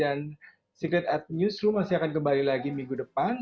dan secret art newsroom masih akan kembali lagi minggu depan